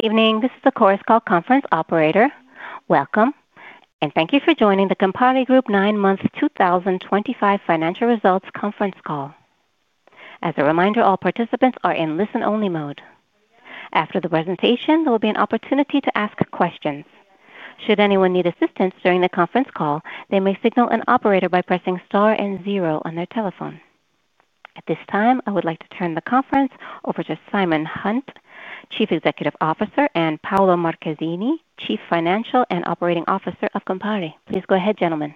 Evening. This is the course call conference operator. Welcome, and thank you for joining the Campari Group nine month 2025 financial results conference call. As a reminder, all participants are in listen-only mode. After the presentation, there will be an opportunity to ask questions. Should anyone need assistance during the conference call, they may signal an operator by pressing star and zero on their telephone. At this time, I would like to turn the conference over to Simon Hunt, Chief Executive Officer, and Paolo Marchesini, Chief Financial and Operating Officer of Campari Group. Please go ahead, gentlemen.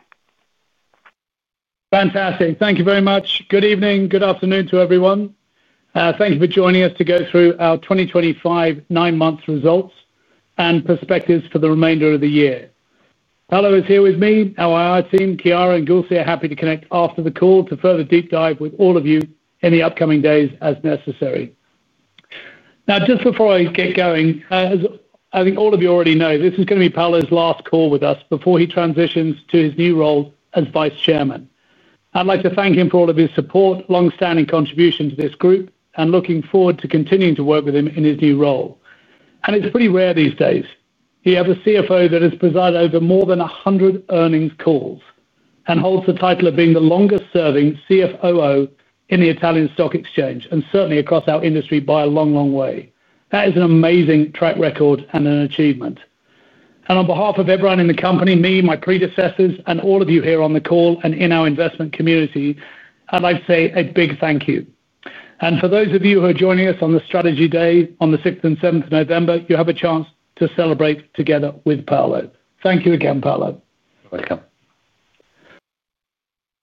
Fantastic. Thank you very much. Good evening. Good afternoon to everyone. Thank you for joining us to go through our 2025 nine month results and perspectives for the remainder of the year. Paolo is here with me, our IR team. Chiara and Gulce are happy to connect after the call to further deep dive with all of you in the upcoming days as necessary. Now, just before I get going, as I think all of you already know, this is going to be Paolo's last call with us before he transitions to his new role as Vice Chairman. I'd like to thank him for all of his support, longstanding contribution to this group, and looking forward to continuing to work with him in his new role. It's pretty rare these days. He has a CFO that has presided over more than 100 earnings calls and holds the title of being the longest-serving CFO in the Italian Stock Exchange, and certainly across our industry by a long, long way. That is an amazing track record and an achievement. On behalf of everyone in the company, me, my predecessors, and all of you here on the call and in our investment community, I'd like to say a big thank you. For those of you who are joining us on the strategy day on the 6th and 7th of November, you have a chance to celebrate together with Paolo. Thank you again, Paolo. You're welcome.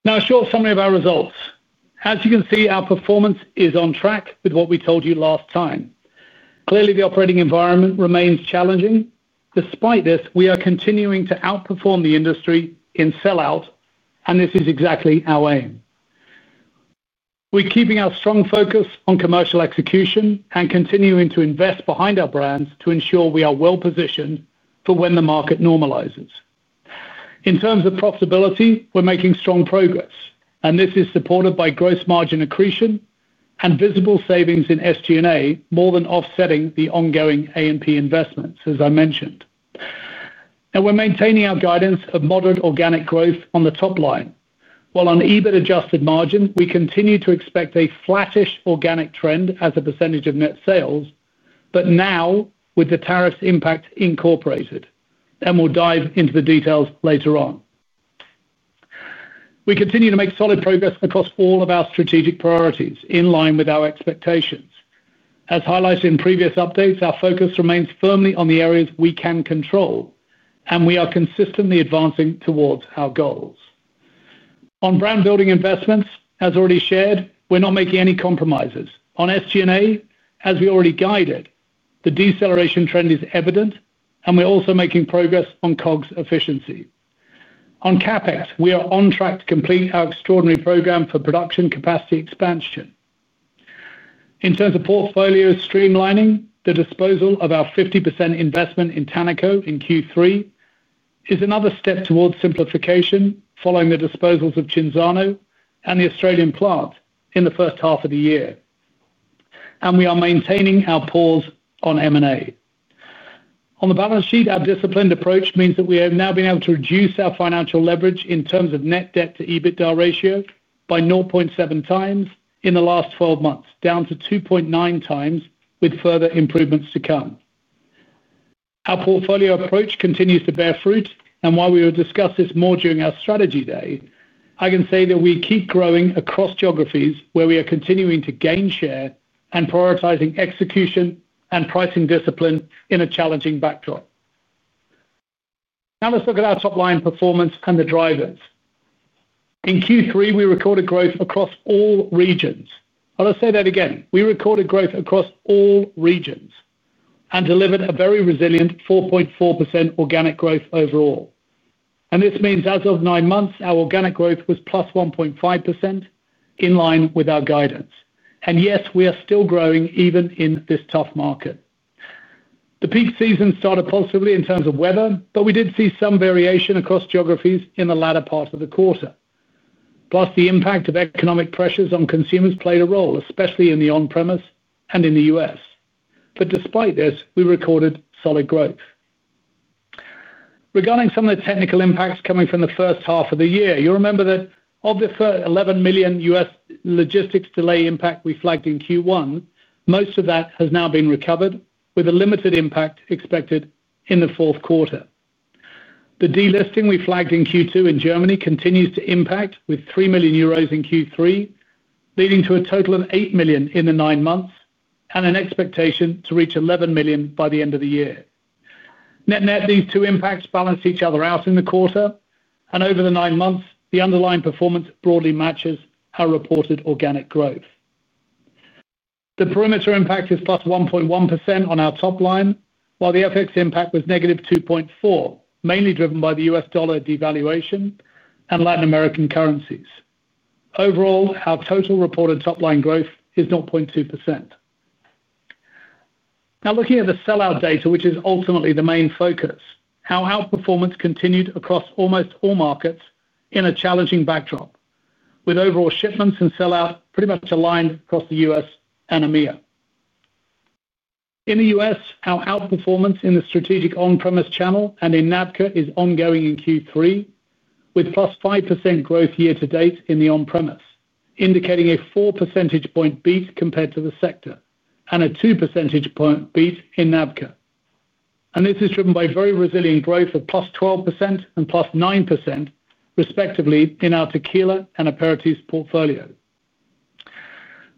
Now, a short summary of our results. As you can see, our performance is on track with what we told you last time. Clearly, the operating environment remains challenging. Despite this, we are continuing to outperform the industry in sell-out, and this is exactly our aim. We're keeping our strong focus on commercial execution and continuing to invest behind our brands to ensure we are well-positioned for when the market normalizes. In terms of profitability, we're making strong progress, and this is supported by gross margin accretion and visible savings in SG&A, more than offsetting the ongoing AMP investments, as I mentioned. We're maintaining our guidance of modern organic growth on the top line. While on EBIT-adjusted margin, we continue to expect a flattish organic trend as a percentage of net sales, now with the tariffs impact incorporated. We'll dive into the details later on. We continue to make solid progress across all of our strategic priorities in line with our expectations. As highlighted in previous updates, our focus remains firmly on the areas we can control, and we are consistently advancing towards our goals. On brand-building investments, as already shared, we're not making any compromises. On SG&A, as we already guided, the deceleration trend is evident, and we're also making progress on COGS efficiency. On CapEx, we are on track to complete our extraordinary program for production capacity expansion. In terms of portfolio streamlining, the disposal of our 50% investment in Tannico in Q3 is another step towards simplification following the disposals of Cinzano and the Australian plant in the first half of the year. We are maintaining our pause on M&A. On the balance sheet, our disciplined approach means that we have now been able to reduce our financial leverage in terms of net debt to EBIT ratio by 0.7x in the last 12 months, down to 2.9x with further improvements to come. Our portfolio approach continues to bear fruit, and while we will discuss this more during our strategy day, I can say that we keep growing across geographies where we are continuing to gain share and prioritizing execution and pricing discipline in a challenging backdrop. Now, let's look at our top-line performance and the drivers. In Q3, we recorded growth across all regions. I'll just say that again. We recorded growth across all regions and delivered a very resilient 4.4% organic growth overall. This means as of nine months, our organic growth was +1.5% in line with our guidance. Yes, we are still growing even in this tough market. The peak season started positively in terms of weather, but we did see some variation across geographies in the latter part of the quarter. The impact of economic pressures on consumers played a role, especially in the on-premise and in the U.S. Despite this, we recorded solid growth. Regarding some of the technical impacts coming from the first half of the year, you'll remember that of the $11 million U.S. logistics delay impact we flagged in Q1, most of that has now been recovered with a limited impact expected in the fourth quarter. The delisting we flagged in Q2 in Germany continues to impact with 3 million euros in Q3, leading to a total of 8 million in the nine months and an expectation to reach 11 million by the end of the year. Net-net, these two impacts balance each other out in the quarter, and over the nine months, the underlying performance broadly matches our reported organic growth. The perimeter impact is +1.1% on our top line, while the FX impact was -2.4%, mainly driven by the U.S. dollar devaluation and Latin American currencies. Overall, our total reported top-line growth is 0.2%. Now, looking at the sell-out data, which is ultimately the main focus, our outperformance continued across almost all markets in a challenging backdrop, with overall shipments and sell-out pretty much aligned across the U.S. and EMEA. In the U.S., our outperformance in the strategic on-premise channel and in NABCA is ongoing in Q3, with +5% growth year to date in the on-premise, indicating a 4 percentage point beat compared to the sector and a 2 percentage point beat in NABCA. This is driven by very resilient growth of +12% and +9%, respectively, in our tequila and aperitif portfolio.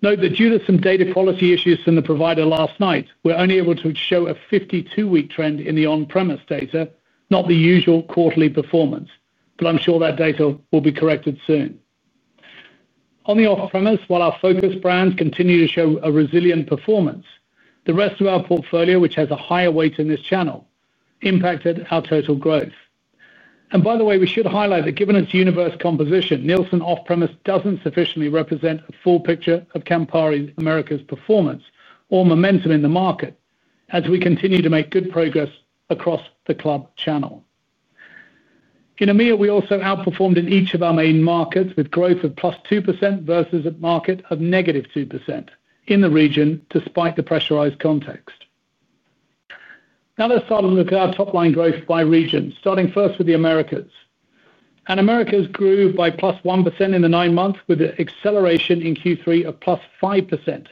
Note that due to some data quality issues from the provider last night, we're only able to show a 52-week trend in the on-premise data, not the usual quarterly performance, but I'm sure that data will be corrected soon. On the off-premise, while our focus brands continue to show a resilient performance, the rest of our portfolio, which has a higher weight in this channel, impacted our total growth. By the way, we should highlight that given its universe composition, Nielsen off-premise doesn't sufficiently represent a full picture of Campari America's performance or momentum in the market as we continue to make good progress across the club channel. In EMEA, we also outperformed in each of our main markets with growth of +2% versus a market of -2% in the region despite the pressurized context. Now, let's start to look at our top-line growth by region, starting first with the Americas. Americas grew by +1% in the nine months with an acceleration in Q3 of +5%,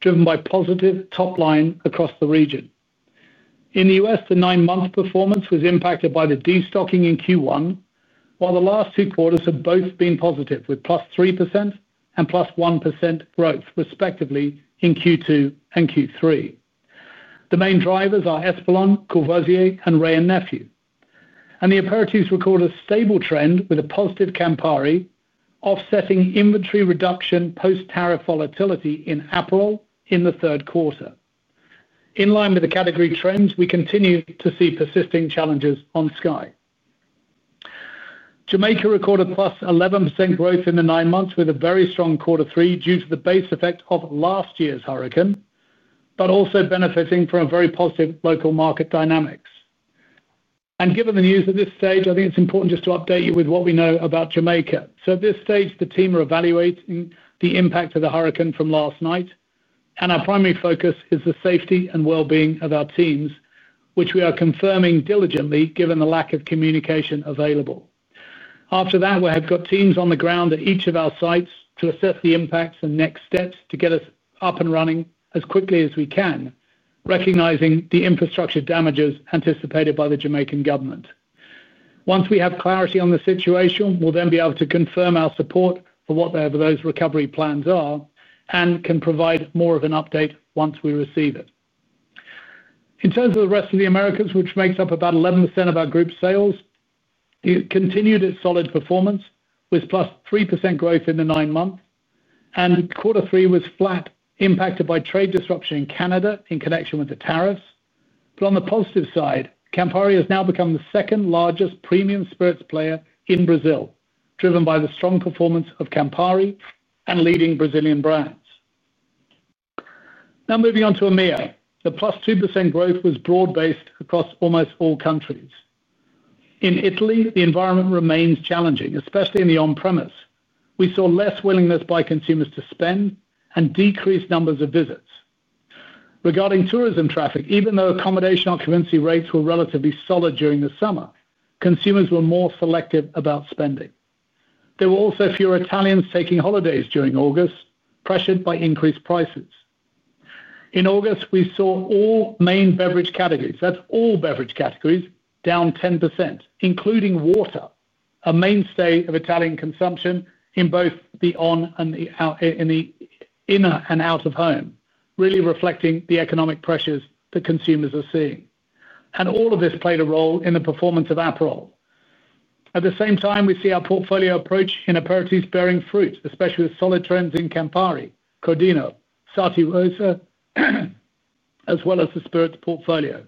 driven by positive top line across the region. In the U.S., the nine-month performance was impacted by the destocking in Q1, while the last two quarters have both been positive with +3% and +1% growth, respectively, in Q2 and Q3. The main drivers are Espolòn, Courvoisier, and Wray & Nephew. The aperitifs record a stable trend with a positive Campari, offsetting inventory reduction post-tariff volatility in April in the third quarter. In line with the category trends, we continue to see persisting challenges on SKYY. Jamaica recorded +11% growth in the nine months with a very strong Q3 due to the base effect of last year's hurricane, but also benefiting from very positive local market dynamics. Given the news at this stage, I think it's important just to update you with what we know about Jamaica. At this stage, the team are evaluating the impact of the hurricane from last night, and our primary focus is the safety and well-being of our teams, which we are confirming diligently given the lack of communication available. After that, we have teams on the ground at each of our sites to assess the impacts and next steps to get us up and running as quickly as we can, recognizing the infrastructure damages anticipated by the Jamaican government. Once we have clarity on the situation, we'll then be able to confirm our support for whatever those recovery plans are and can provide more of an update once we receive it. In terms of the rest of the Americas, which makes up about 11% of our group sales, it continued its solid performance with +3% growth in the nine months, and Q3 was flat, impacted by trade disruption in Canada in connection with the tariffs. On the positive side, Campari has now become the second largest premium spirits player in Brazil, driven by the strong performance of Campari and leading Brazilian brands. Now, moving on to EMEA, the +2% growth was broad-based across almost all countries. In Italy, the environment remains challenging, especially in the on-premise. We saw less willingness by consumers to spend and decreased numbers of visits. Regarding tourism traffic, even though accommodation occupancy rates were relatively solid during the summer, consumers were more selective about spending. There were also fewer Italians taking holidays during August, pressured by increased prices. In August, we saw all main beverage categories, that's all beverage categories, down 10%, including water, a mainstay of Italian consumption in both the inner and out of home, really reflecting the economic pressures that consumers are seeing. All of this played a role in the performance of Aperol. At the same time, we see our portfolio approach in aperitifs bearing fruit, especially with solid trends in Campari, Crodino, Sarti Rosa, as well as the spirits portfolio.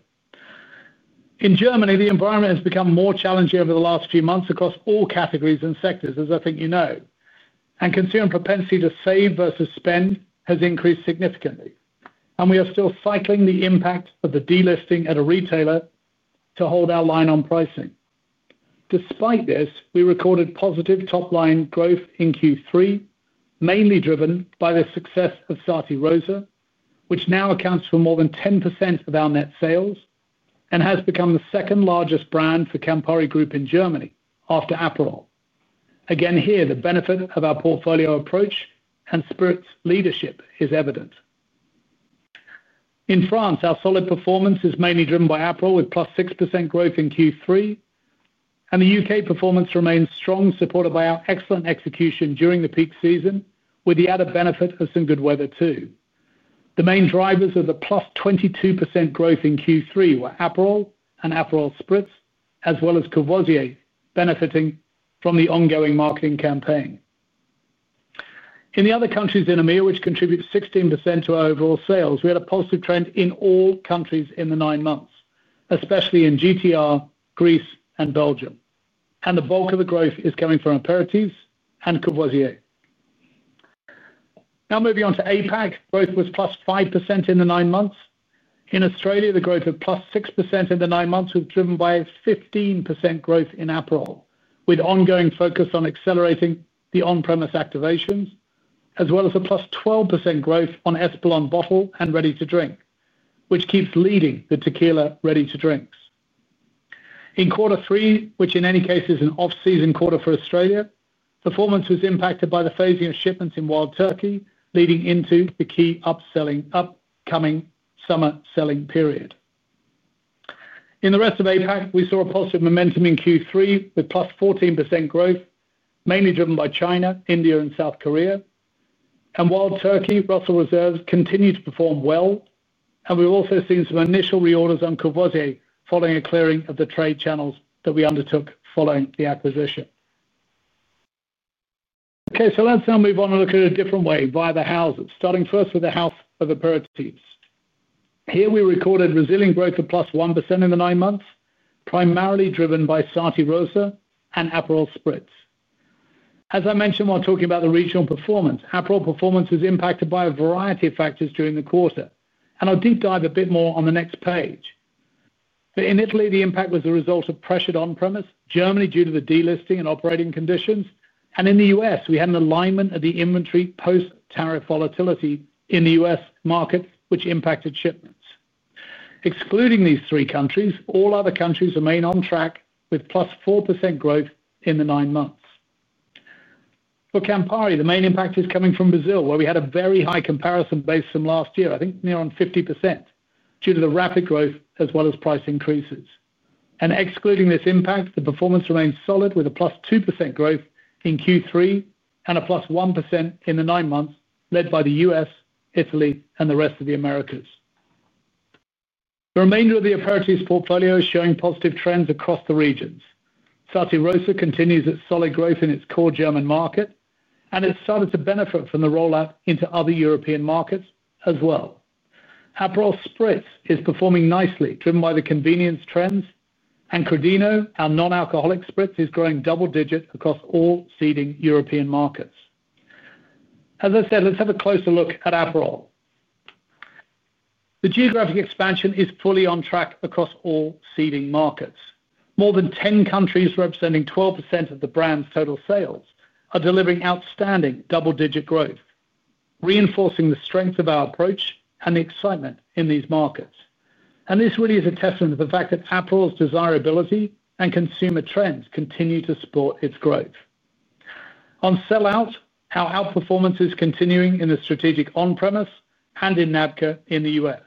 In Germany, the environment has become more challenging over the last few months across all categories and sectors, as I think you know. Consumer propensity to save versus spend has increased significantly. We are still cycling the impact of the delisting at a retailer to hold our line on pricing. Despite this, we recorded positive top-line growth in Q3, mainly driven by the success of Sarti Rosa, which now accounts for more than 10% of our net sales and has become the second largest brand for Campari Group in Germany after Aperol. Again here, the benefit of our portfolio approach and spirits leadership is evident. In France, our solid performance is mainly driven by Aperol with +6% growth in Q3, and the U.K. performance remains strong, supported by our excellent execution during the peak season, with the added benefit of some good weather too. The main drivers of the +22% growth in Q3 were Aperol and Aperol spirits, as well as Courvoisier benefiting from the ongoing marketing campaign. In the other countries in EMEA, which contribute 16% to our overall sales, we had a positive trend in all countries in the nine months, especially in GTR, Greece, and Belgium. The bulk of the growth is coming from aperitifs and Courvoisier. Now, moving on to APAC, growth was +5% in the nine months. In Australia, the growth of +6% in the nine months was driven by a 15% growth in Aperol, with ongoing focus on accelerating the on-premise activations, as well as a +12% growth on Espolòn bottle and ready-to-drink, which keeps leading the tequila ready-to-drinks. In quarter three, which in any case is an off-season quarter for Australia, performance was impacted by the phasing of shipments in Wild Turkey, leading into the key upcoming summer selling period. In the rest of APAC, we saw a positive momentum in Q3 with +14% growth, mainly driven by China, India, and South Korea. Wild Turkey, Russell Reserves continue to perform well, and we've also seen some initial reorders on Courvoisier following a clearing of the trade channels that we undertook following the acquisition. Okay, let's now move on and look at a different way via the houses, starting first with the house of aperitifs. Here, we recorded resilient growth of +1% in the nine months, primarily driven by Sarti Rosa and Aperol spirits. As I mentioned while talking about the regional performance, Aperol performance was impacted by a variety of factors during the quarter, and I'll deep dive a bit more on the next page. In Italy, the impact was a result of pressured on-premise, Germany due to the delisting and operating conditions, and in the U.S., we had an alignment of the inventory post-tariff volatility in the U.S. markets, which impacted shipments. Excluding these three countries, all other countries remain on track with +4% growth in the nine months. For Campari, the main impact is coming from Brazil, where we had a very high comparison base from last year, I think near on 50% due to the rapid growth as well as price increases. Excluding this impact, the performance remains solid with a +2% growth in Q3 and a +1% in the nine months led by the U.S., Italy, and the rest of the Americas. The remainder of the aperitif portfolio is showing positive trends across the regions. Sarti Rosa continues its solid growth in its core German market, and it's started to benefit from the rollout into other European markets as well. Aperol spirits is performing nicely, driven by the convenience trends, and Crodino, our non-alcoholic spirits, is growing double-digit across all seeding European markets. As I said, let's have a closer look at Aperol. The geographic expansion is fully on track across all seeding markets. More than 10 countries representing 12% of the brand's total sales are delivering outstanding double-digit growth, reinforcing the strength of our approach and the excitement in these markets. This really is a testament to the fact that Aperol's desirability and consumer trends continue to support its growth. On sell-out, our outperformance is continuing in the strategic on-premise and in NABCA in the U.S.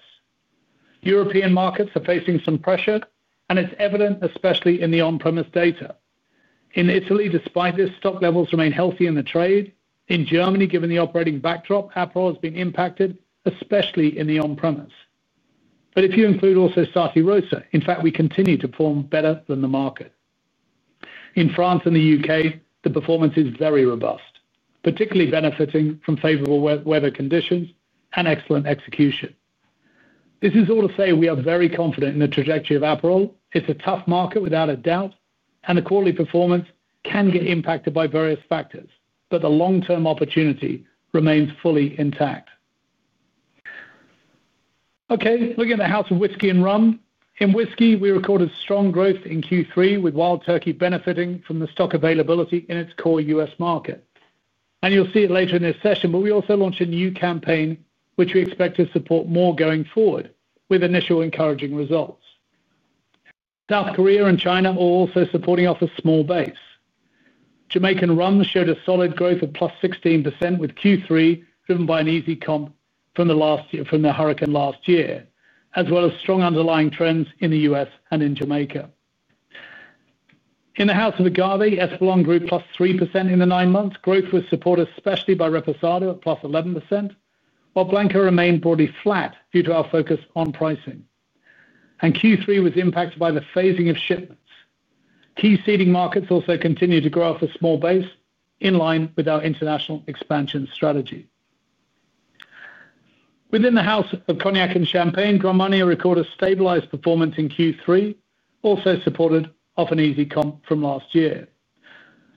European markets are facing some pressure, and it's evident, especially in the on-premise data. In Italy, despite this, stock levels remain healthy in the trade. In Germany, given the operating backdrop, Aperol has been impacted, especially in the on-premise. If you include also Sarti Rosa, in fact, we continue to perform better than the market. In France and the U.K., the performance is very robust, particularly benefiting from favorable weather conditions and excellent execution. This is all to say we are very confident in the trajectory of Aperol. It's a tough market without a doubt, and the quarterly performance can get impacted by various factors, but the long-term opportunity remains fully intact. Okay, looking at the house of whiskey and rum. In whiskey, we recorded strong growth in Q3, with Wild Turkey benefiting from the stock availability in its core U.S. market. You'll see it later in this session, but we also launched a new campaign, which we expect to support more going forward with initial encouraging results. South Korea and China are also supporting off a small base. Jamaican rum showed a solid growth of +16% with Q3 driven by an easy comp from the hurricane last year, as well as strong underlying trends in the U.S. and in Jamaica. In the house of agave, Espolòn grew +3% in the nine months, growth was supported especially by Reposado at +11%, while Blanco remained broadly flat due to our focus on pricing. Q3 was impacted by the phasing of shipments. Key seeding markets also continue to grow off a small base in line with our international expansion strategy. Within the house of cognac and champagne, Grand Marnier recorded stabilized performance in Q3, also supported off an easy comp from last year.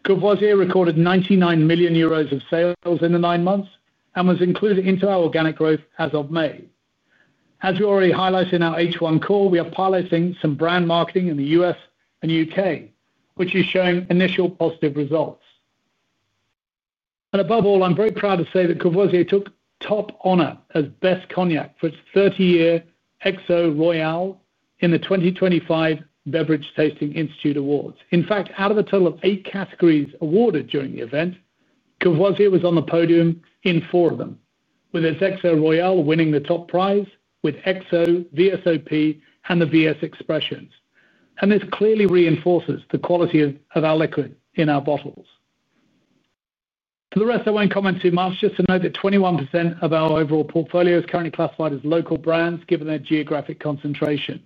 Courvoisier recorded 99 million euros of sales in the nine months and was included into our organic growth as of May. As we already highlighted in our H1 call, we are piloting some brand marketing in the U.S. and U.K., which is showing initial positive results. Above all, I'm very proud to say that Courvoisier took top honor as best cognac for its 30-year Exo Royale in the 2025 Beverage Tasting Institute Awards. In fact, out of a total of eight categories awarded during the event, Courvoisier was on the podium in four of them, with its Exo Royale winning the top prize with Exo, VSOP, and the VS Expressions. This clearly reinforces the quality of our liquid in our bottles. For the rest, I won't comment too much, just to note that 21% of our overall portfolio is currently classified as local brands given their geographic concentration.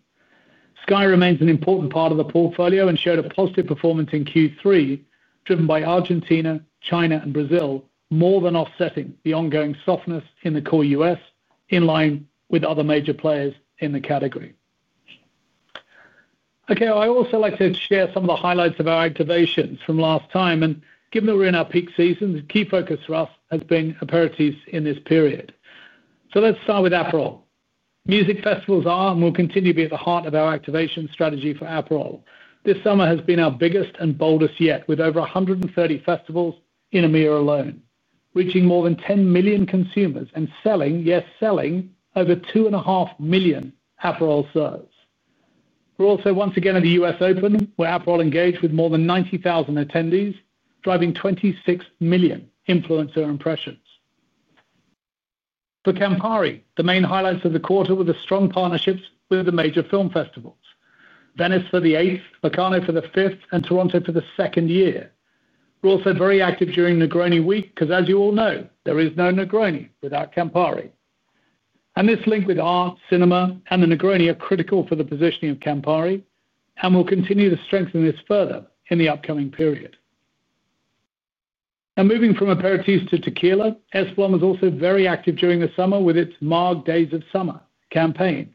SKYY remains an important part of the portfolio and showed a positive performance in Q3, driven by Argentina, China, and Brazil, more than offsetting the ongoing softness in the core U.S. in line with other major players in the category. I also like to share some of the highlights of our activations from last time, and given that we're in our peak season, the key focus for us has been aperitifs in this period. Let's start with Aperol. Music festivals are, and will continue to be, at the heart of our activation strategy for Aperol. This summer has been our biggest and boldest yet, with over 130 festivals in EMEA alone, reaching more than 10 million consumers and selling, yes, selling over 2.5 million Aperol serves. We're also once again at the U.S. Open, where Aperol engaged with more than 90,000 attendees, driving 26 million influencer impressions. For Campari, the main highlights of the quarter were the strong partnerships with the major film festivals: Venice for the eighth, Locarno for the fifth, and Toronto for the second year. We're also very active during Negroni Week because, as you all know, there is no Negroni without Campari. This link with art, cinema, and the Negroni are critical for the positioning of Campari, and we'll continue to strengthen this further in the upcoming period. Now, moving from aperitifs to tequila, Espolòn was also very active during the summer with its MARG Days of Summer campaign.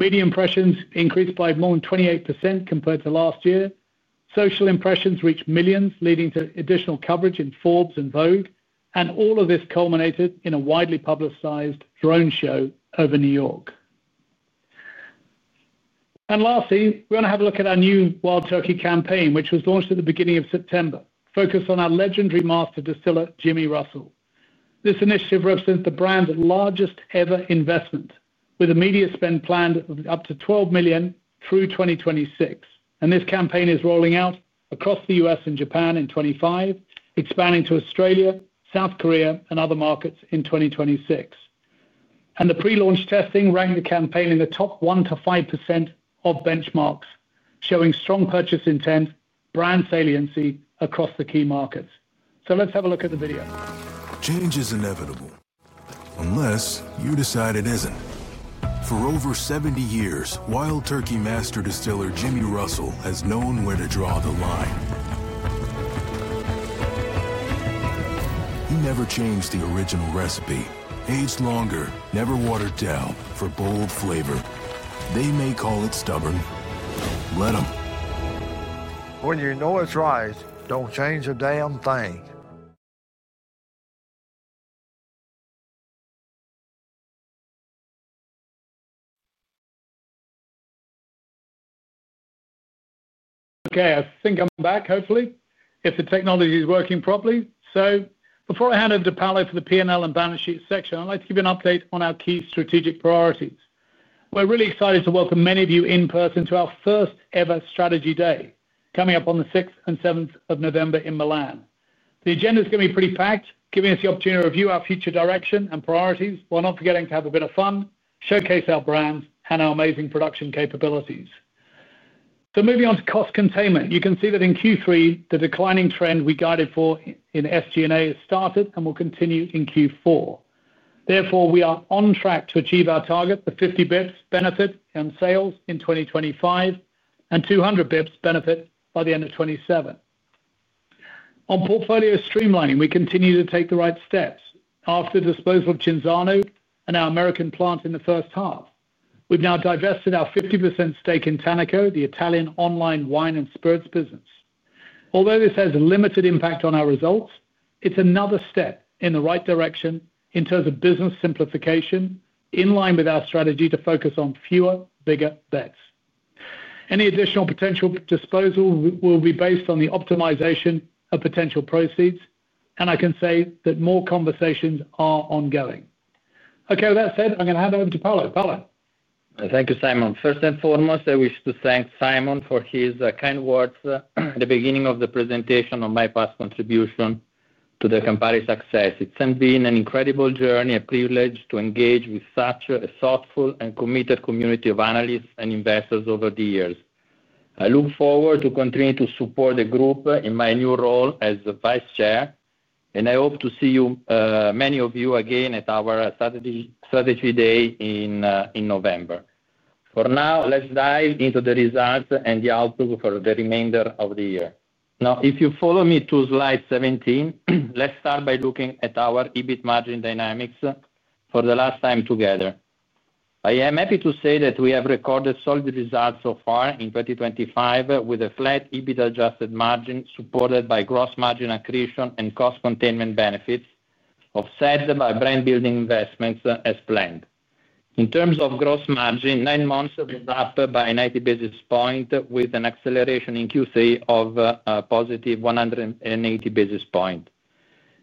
Media impressions increased by more than 28% compared to last year. Social impressions reached millions, leading to additional coverage in Forbes and Vogue, and all of this culminated in a widely publicized drone show over New York. Lastly, we're going to have a look at our new Wild Turkey campaign, which was launched at the beginning of September, focused on our legendary Master Distiller, Jimmy Russell. This initiative represents the brand's largest ever investment, with a media spend planned of up to $12 million through 2026. This campaign is rolling out across the U.S. and Japan in 2025, expanding to Australia, South Korea, and other markets in 2026. The pre-launch testing ranked the campaign in the top 1%-5% of benchmarks, showing strong purchase intent and brand saliency across the key markets. Let's have a look at the video. Change is inevitable, unless you decide it isn't. For over 70 years, Wild Turkey Master Distiller Jimmy Russell has known where to draw the line. He never changed the original recipe, aged longer, never watered down for bold flavor. They may call it stubborn. Let them. When you know it's right, don't change a damn thing. Okay, I think I'm back, hopefully, if the technology is working properly. Before I hand over to Paolo for the P&L and balance sheet section, I'd like to give you an update on our key strategic priorities. We're really excited to welcome many of you in person to our first ever strategy day, coming up on the 6th and 7th of November in Milan. The agenda is going to be pretty packed, giving us the opportunity to review our future direction and priorities while not forgetting to have a bit of fun, showcase our brands, and our amazing production capabilities. Moving on to cost containment, you can see that in Q3, the declining trend we guided for in SG&A has started and will continue in Q4. Therefore, we are on track to achieve our target for 50 bps benefit and sales in 2025 and 200 bps benefit by the end of 2027. On portfolio streamlining, we continue to take the right steps after the disposal of Cinzano and our American plant in the first half. We've now divested our 50% stake in Tannico, the Italian online wine and spirits business. Although this has limited impact on our results, it's another step in the right direction in terms of business simplification, in line with our strategy to focus on fewer, bigger bets. Any additional potential disposal will be based on the optimization of potential proceeds, and I can say that more conversations are ongoing. With that said, I'm going to hand over to Paolo. Thank you, Simon. First and foremost, I wish to thank Simon for his kind words at the beginning of the presentation on my past contribution to the Campari success. It's been an incredible journey, a privilege to engage with such a thoughtful and committed community of analysts and investors over the years. I look forward to continuing to support the group in my new role as Vice Chair, and I hope to see you, many of you, again at our strategy day in November. For now, let's dive into the results and the outlook for the remainder of the year. Now, if you follow me to slide 17, let's start by looking at our EBIT margin dynamics for the last time together. I am happy to say that we have recorded solid results so far in 2025 with a flat EBIT-adjusted margin supported by gross margin accretion and cost containment benefits offset by brand-building investments as planned. In terms of gross margin, nine months was up by 90 basis points with an acceleration in Q3 of positive 180 basis points.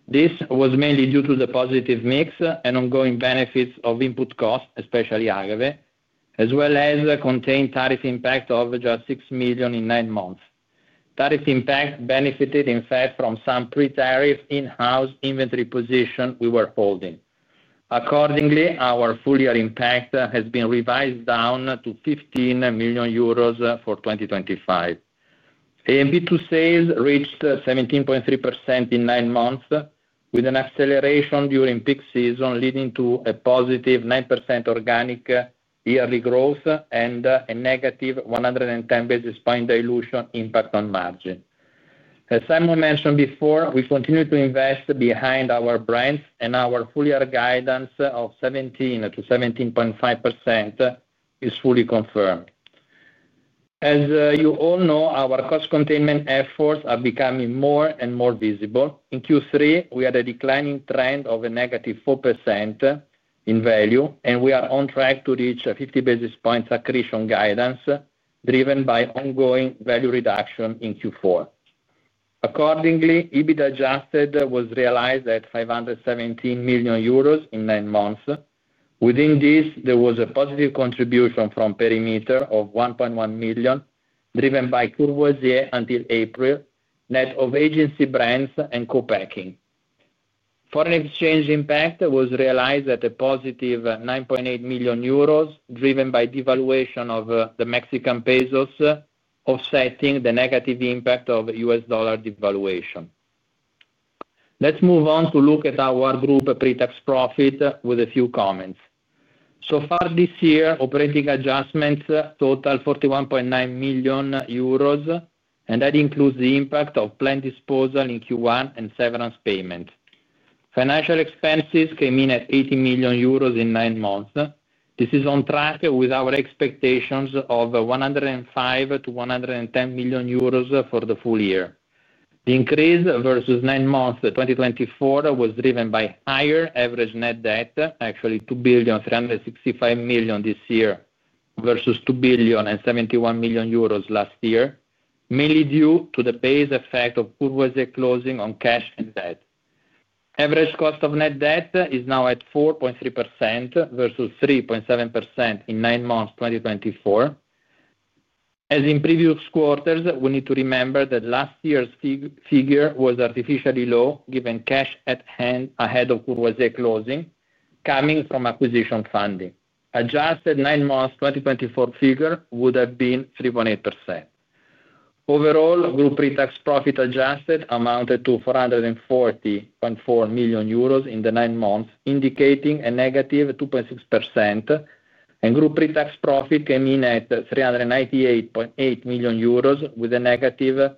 This was mainly due to the positive mix and ongoing benefits of input costs, especially agave, as well as the contained tariff impact of just 6 million in nine months. Tariff impact benefited, in fact, from some pre-tariff in-house inventory position we were holding. Accordingly, our full-year impact has been revised down to 15 million euros for 2025. AMP investments to sales reached 17.3% in nine months with an acceleration during peak season, leading to a positive 9% organic yearly growth and a -110 basis point dilution impact on margin. As Simon mentioned before, we continue to invest behind our brands, and our full-year guidance of 17% to 17.5% is fully confirmed. As you all know, our cost containment efforts are becoming more and more visible. In Q3, we had a declining trend of a -4% in value, and we are on track to reach 50 basis points accretion guidance driven by ongoing value reduction in Q4. Accordingly, EBIT-adjusted was realized at 517 million euros in nine months. Within this, there was a positive contribution from Perimeter of 1.1 million driven by Courvoisier until April, net of agency brands and co-packing. Foreign exchange impact was realized at a positive 9.8 million euros, driven by devaluation of the Mexican peso, offsetting the negative impact of U.S. dollar devaluation. Let's move on to look at our group pre-tax profit with a few comments. So far this year, operating adjustments total 41.9 million euros, and that includes the impact of plant disposal in Q1 and severance payment. Financial expenses came in at 80 million euros in nine months. This is on track with our expectations of 105-110 million euros for the full year. The increase versus nine months 2023 was driven by higher average net debt, actually 2,365 million this year versus 2,710 million euros last year, mainly due to the base effect of Courvoisier closing on cash and debt. Average cost of net debt is now at 4.3% versus 3.7% in nine months 2023. As in previous quarters, we need to remember that last year's figure was artificially low, given cash at hand ahead of Courvoisier closing, coming from acquisition funding. Adjusted nine months 2023 figure would have been 3.8%. Overall, group pre-tax profit adjusted amounted to 440.4 million euros in the nine months, indicating a negative 2.6%, and group pre-tax profit came in at 398.8 million euros with a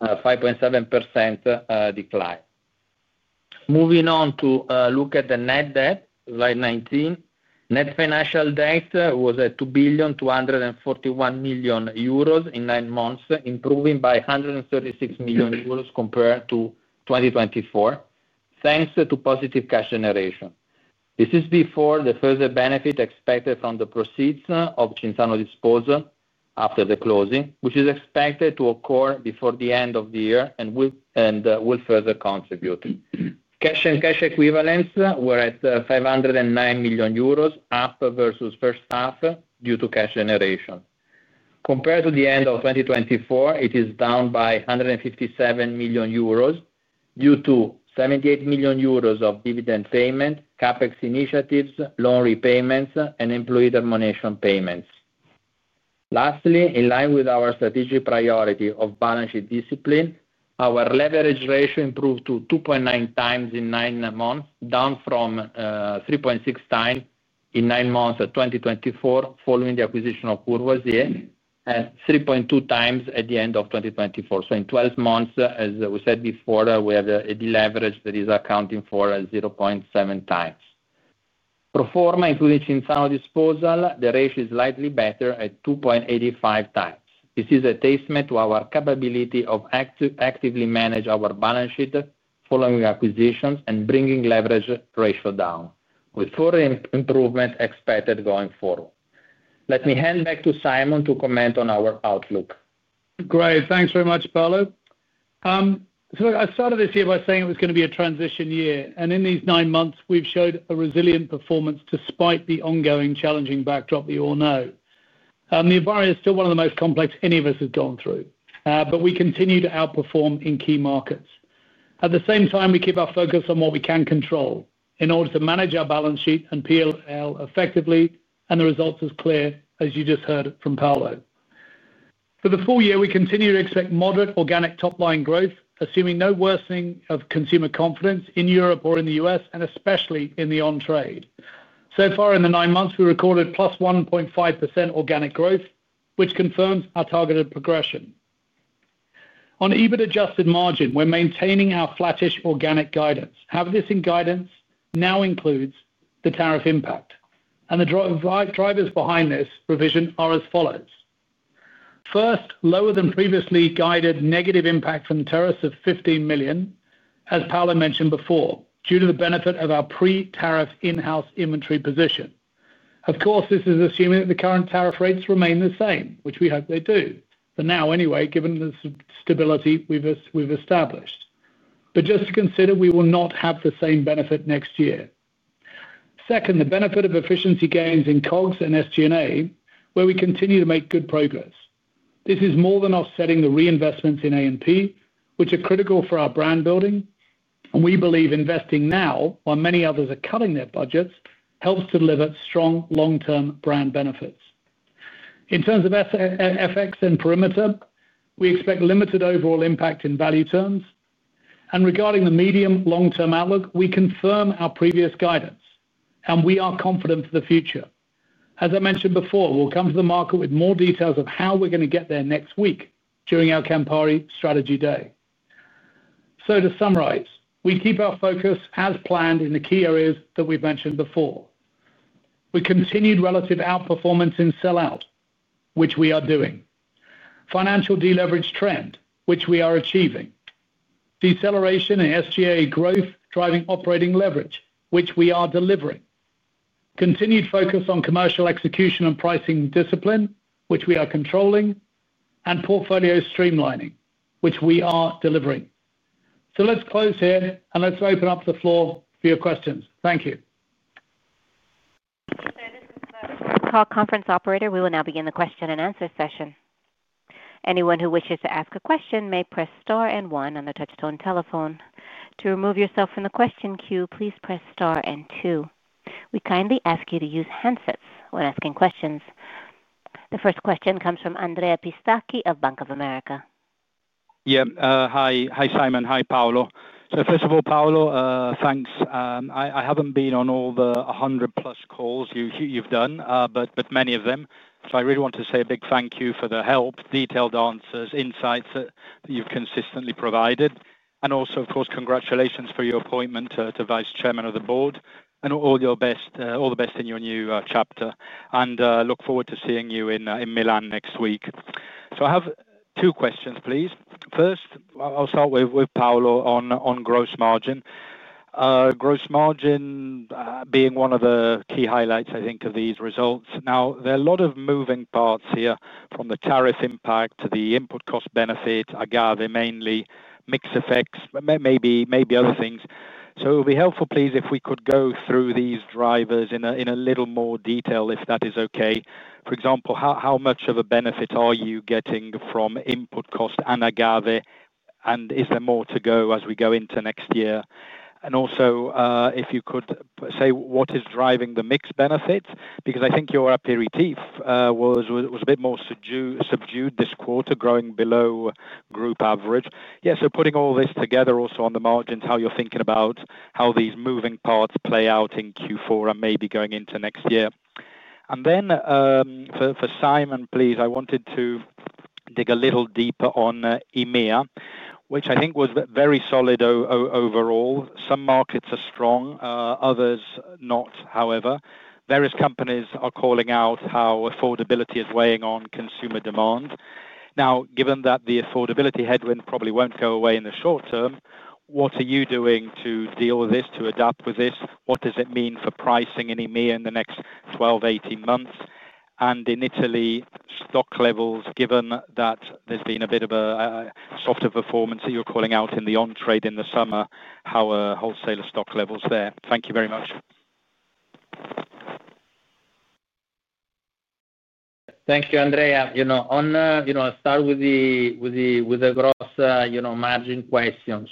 -5.7% decline. Moving on to look at the net debt, slide 19, net financial debt was at 2,241 million euros in nine months, improving by 136 million euros compared to 2023, thanks to positive cash generation. This is before the further benefit expected from the proceeds of Cinzano disposal after the closing, which is expected to occur before the end of the year and will further contribute. Cash and cash equivalents were at 509 million euros, up versus first half due to cash generation. Compared to the end of 2023, it is down by 157 million euros due to 78 million euros of dividend payment, CapEx initiatives, loan repayments, and employee termination payments. Lastly, in line with our strategic priority of balance sheet discipline, our leverage ratio improved to 2.9x in nine months, down from 3.6x in nine months of 2023 following the acquisition of Courvoisier, and 3.2x at the end of 2023. In 12 months, as we said before, we have a deleverage that is accounting for 0.7x. Perform, including Cinzano disposal, the ratio is slightly better at 2.85x. This is a testament to our capability to actively manage our balance sheet following acquisitions and bringing leverage ratio down, with further improvements expected going forward. Let me hand back to Simon to comment on our outlook. Great, thanks very much, Paolo. I started this year by saying it was going to be a transition year, and in these nine months, we've showed a resilient performance despite the ongoing challenging backdrop we all know. The environment is still one of the most complex any of us has gone through, but we continue to outperform in key markets. At the same time, we keep our focus on what we can control in order to manage our balance sheet and P&L effectively, and the results are as clear as you just heard from Paolo. For the full year, we continue to expect moderate organic top-line growth, assuming no worsening of consumer confidence in Europe or in the U.S., and especially in the on-trade. So far in the nine months, we recorded +1.5% organic growth, which confirms our targeted progression. On EBIT-adjusted margin, we're maintaining our flattish organic guidance. This guidance now includes the tariff impact, and the drivers behind this revision are as follows. First, lower than previously guided negative impact from the tariffs of $15 million, as Paolo mentioned before, due to the benefit of our pre-tariff in-house inventory position. Of course, this is assuming that the current tariff rates remain the same, which we hope they do, for now anyway, given the stability we've established. Just to consider, we will not have the same benefit next year. Second, the benefit of efficiency gains in COGS and SG&A, where we continue to make good progress. This is more than offsetting the reinvestments in AMP, which are critical for our brand building, and we believe investing now, while many others are cutting their budgets, helps to deliver strong long-term brand benefits. In terms of FX and perimeter, we expect limited overall impact in value terms, and regarding the medium long-term outlook, we confirm our previous guidance, and we are confident for the future. As I mentioned before, we'll come to the market with more details of how we're going to get there next week during our Campari strategy day. To summarize, we keep our focus as planned in the key areas that we've mentioned before. We continued relative outperformance in sell-out, which we are doing. Financial deleverage trend, which we are achieving. Deceleration in SG&A growth, driving operating leverage, which we are delivering. Continued focus on commercial execution and pricing discipline, which we are controlling, and portfolio streamlining, which we are delivering. Let's close here, and let's open up the floor for your questions. Thank you. This is the call conference operator. We will now begin the question-and-answer session. Anyone who wishes to ask a question may press star and one on the touch-tone telephone. To remove yourself from the question queue, please press star and two. We kindly ask you to use handsets when asking questions. The first question comes from Andrea Pistacchi of Bank of America. Yeah, hi, Simon, hi, Paolo. First of all, Paolo, thanks. I haven't been on all the 100+ calls you've done, but many of them. I really want to say a big thank you for the help, detailed answers, insights that you've consistently provided. Also, of course, congratulations for your appointment to Vice Chairman of the Board, and all the best in your new chapter. I look forward to seeing you in Milan next week. I have two questions, please. First, I'll start with Paolo on gross margin. Gross margin being one of the key highlights, I think, of these results. There are a lot of moving parts here from the tariff impact, the input cost benefit, agave mainly, mixed effects, maybe other things. It would be helpful, please, if we could go through these drivers in a little more detail, if that is okay. For example, how much of a benefit are you getting from input cost and agave, and is there more to go as we go into next year? Also, if you could say what is driving the mixed benefits, because I think your aperitif was a bit more subdued this quarter, growing below group average. Putting all this together, also on the margins, how you're thinking about how these moving parts play out in Q4 and maybe going into next year. For Simon, please, I wanted to dig a little deeper on EMEA, which I think was very solid overall. Some markets are strong, others not, however. Various companies are calling out how affordability is weighing on consumer demand. Given that the affordability headwind probably won't go away in the short term, what are you doing to deal with this, to adapt with this? What does it mean for pricing in EMEA in the next 12-18 months? In Italy, stock levels, given that there's been a bit of a softer performance that you're calling out in the on-trade in the summer, how are wholesaler stock levels there? Thank you very much. Thank you, Andrea. I'll start with the gross margin question.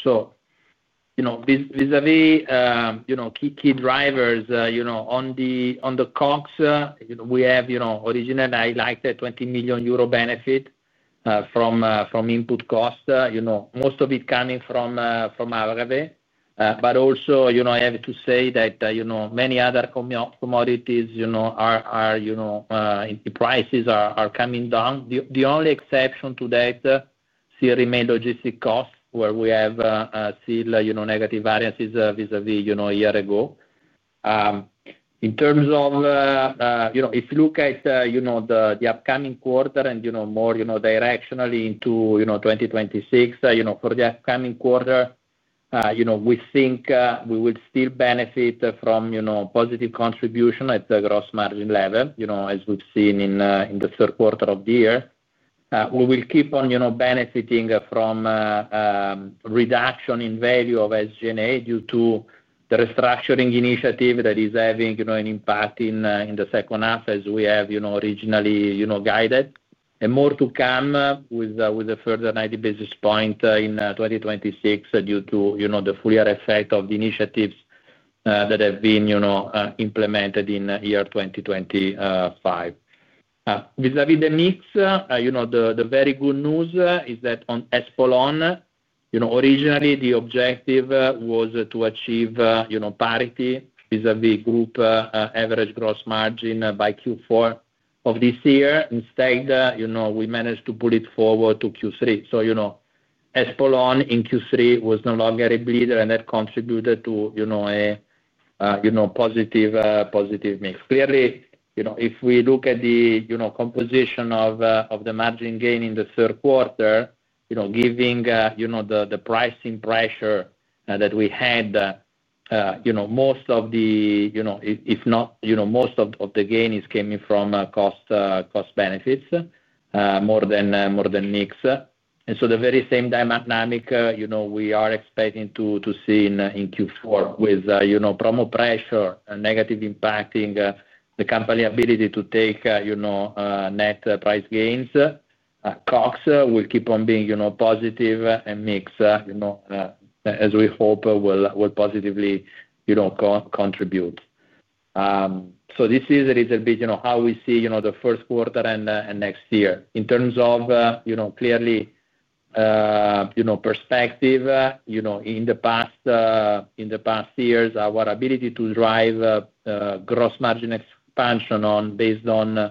Vis-à-vis key drivers, on the COGS, we have originally liked a 20 million euro benefit from input cost, most of it coming from agave. I have to say that many other commodities' prices are coming down. The only exception to that still remains logistic costs, where we have still negative variances vis-à-vis a year ago. If you look at the upcoming quarter and more directionally into 2026, for the upcoming quarter, we think we will still benefit from positive contribution at the gross margin level, as we've seen in the third quarter of the year. We will keep on benefiting from a reduction in value of SG&A due to the restructuring initiative that is having an impact in the second half, as we have originally guided. More to come with a further 90 basis point in 2026 due to the full-year effect of the initiatives that have been implemented in year 2025. Vis-à-vis the mix, the very good news is that on Espolòn, originally the objective was to achieve parity vis-à-vis group average gross margin by Q4 of this year. Instead, we managed to pull it forward to Q3. Espolòn in Q3 was no longer a bleeder, and that contributed to a positive mix. Clearly, if we look at the composition of the margin gain in the third quarter, given the pricing pressure that we had, most of the gain is coming from cost benefits, more than mix. The very same dynamic we are expecting to see in Q4 with promo pressure negatively impacting the company's ability to take net price gains. COGS will keep on being positive and mix, as we hope, will positively contribute. This is a little bit how we see the first quarter and next year. In terms of perspective, in the past years, our ability to drive gross margin expansion based on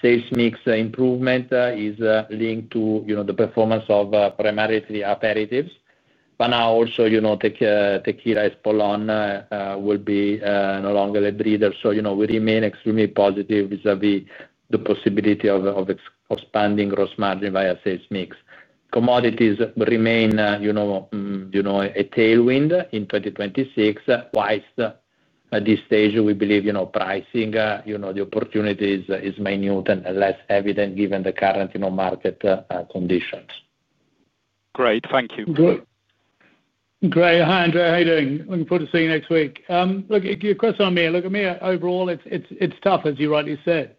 sales mix improvement is linked to the performance of primarily aperitifs. Now also, Tequila Espolòn will be no longer a bleeder. We remain extremely positive vis-à-vis the possibility of expanding gross margin via sales mix. Commodities remain a tailwind in 2026. Whilst at this stage, we believe pricing, the opportunity is minute and less evident given the current market conditions. Great, thank you. Great. Hi, Andrea. How are you doing? Looking forward to seeing you next week. A question on me. At me overall, it's tough, as you rightly said,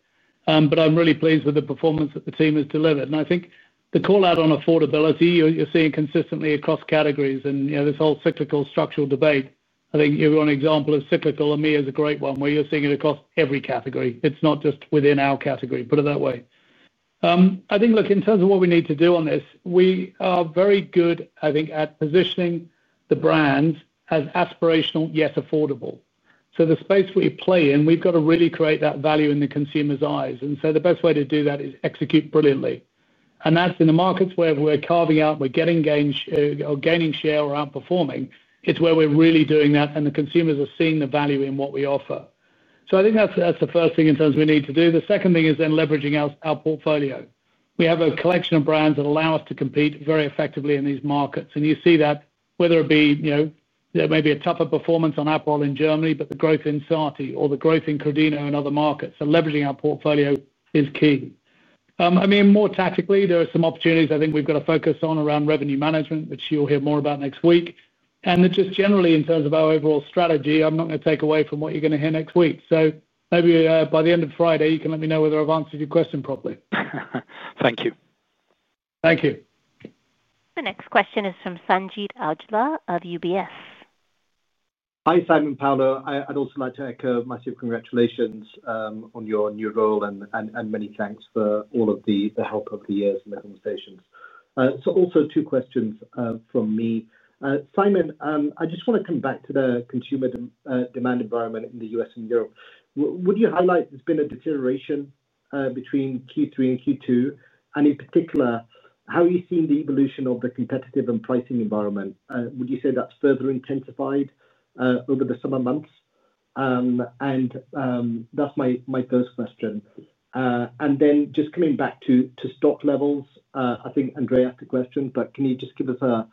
but I'm really pleased with the performance that the team has delivered. I think the call out on affordability, you're seeing consistently across categories. You know, this whole cyclical structural debate, I think you're on an example of cyclical. Me is a great one where you're seeing it across every category. It's not just within our category, put it that way. I think in terms of what we need to do on this, we are very good, I think, at positioning the brands as aspirational, yet affordable. The space we play in, we've got to really create that value in the consumer's eyes. The best way to do that is execute brilliantly. That's in the markets where we're carving out, we're getting gains, or gaining share, or outperforming. It's where we're really doing that, and the consumers are seeing the value in what we offer. I think that's the first thing in terms of what we need to do. The second thing is then leveraging our portfolio. We have a collection of brands that allow us to compete very effectively in these markets. You see that whether it be, you know, there may be a tougher performance on Aperol in Germany, but the growth in Sarti Rosa or the growth in Crodino in other markets. Leveraging our portfolio is key. More tactically, there are some opportunities I think we've got to focus on around revenue management, which you'll hear more about next week. Just generally, in terms of our overall strategy, I'm not going to take away from what you're going to hear next week. Maybe by the end of Friday, you can let me know whether I've answered your question properly. Thank you. Thank you. The next question is from Sanjeet Aujla of UBS. Hi, Simon, Paolo. I'd also like to echo massive congratulations on your new role and many thanks for all of the help over the years and the conversations. Two questions from me. Simon, I just want to come back to the consumer demand environment in the U.S. and Europe. Would you highlight there's been a deterioration between Q3 and Q2? In particular, how are you seeing the evolution of the competitive and pricing environment? Would you say that's further intensified over the summer months? That's my first question. Just coming back to stock levels, I think Andrea asked a question, but can you just give us a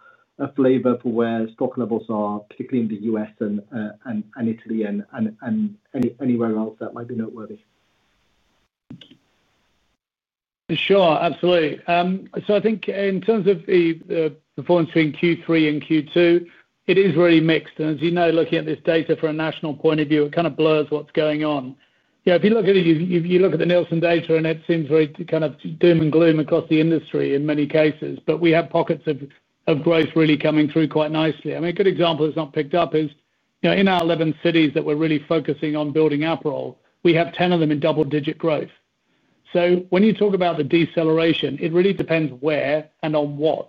flavor for where stock levels are, particularly in the U.S. and Italy and anywhere else that might be noteworthy? Sure, absolutely. I think in terms of the performance between Q3 and Q2, it is really mixed. As you know, looking at this data from a national point of view, it kind of blurs what's going on. If you look at the Nielsen data, it seems very kind of doom and gloom across the industry in many cases, but we have pockets of growth really coming through quite nicely. A good example that's not picked up is in our 11 cities that we're really focusing on building Aperol, we have 10 of them in double-digit growth. When you talk about the deceleration, it really depends where and on what.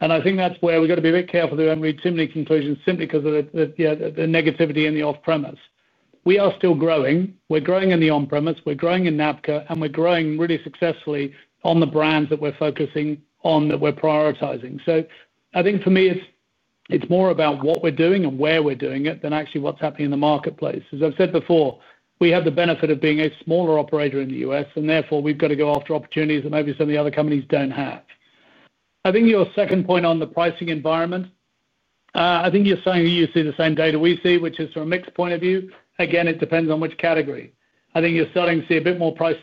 I think that's where we've got to be a bit careful that we don't reach too many conclusions simply because of the negativity in the off-premise. We are still growing. We're growing in the on-premise. We're growing in NABCA, and we're growing really successfully on the brands that we're focusing on, that we're prioritizing. I think for me, it's more about what we're doing and where we're doing it than actually what's happening in the marketplace. As I've said before, we have the benefit of being a smaller operator in the U.S., and therefore we've got to go after opportunities that maybe some of the other companies don't have. I think your second point on the pricing environment, I think you're saying you see the same data we see, which is from a mixed point of view. Again, it depends on which category. I think you're starting to see a bit more price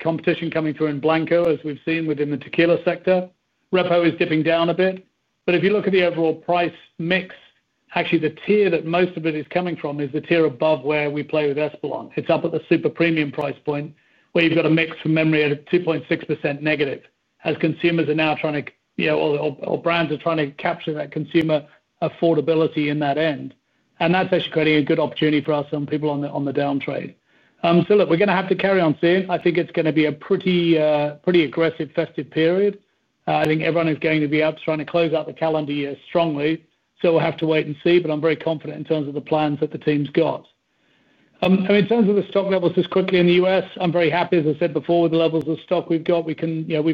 competition coming through in Blanco, as we've seen within the tequila sector. Repo is dipping down a bit. If you look at the overall price mix, actually the tier that most of it is coming from is the tier above where we play with Espolòn. It's up at the super premium price point where you've got a mix from memory at -2.6%, as consumers are now trying to, or brands are trying to capture that consumer affordability in that end. That's actually creating a good opportunity for us and people on the down trade. Look, we're going to have to carry on soon. I think it's going to be a pretty aggressive festive period. I think everyone is going to be up trying to close out the calendar year strongly. We'll have to wait and see, but I'm very confident in terms of the plans that the team's got. In terms of the stock levels just quickly in the U.S., I'm very happy, as I said before, with the levels of stock we've got. We've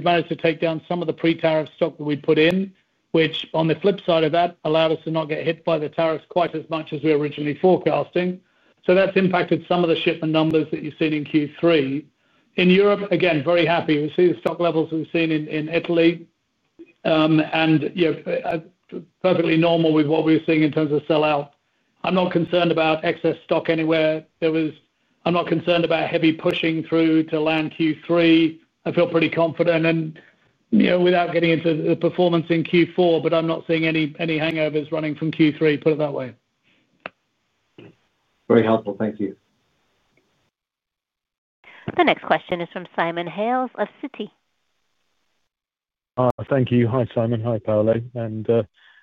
managed to take down some of the pre-tariff stock that we put in, which, on the flip side of that, allowed us to not get hit by the tariffs quite as much as we were originally forecasting. That's impacted some of the shipment numbers that you've seen in Q3. In Europe, again, very happy. We see the stock levels we've seen in Italy, and, you know, perfectly normal with what we're seeing in terms of sell-out. I'm not concerned about excess stock anywhere. I'm not concerned about heavy pushing through to land Q3. I feel pretty confident, and, you know, without getting into the performance in Q4, I'm not seeing any hangovers running from Q3, put it that way. Very helpful, thank you. The next question is from Simon Hales of Citi. Thank you. Hi, Simon. Hi, Paolo.